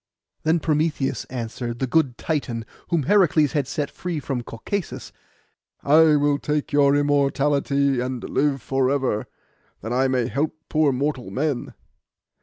Then Prometheus answered, the good Titan, whom Heracles had set free from Caucasus, 'I will take your immortality and live for ever, that I may help poor mortal men.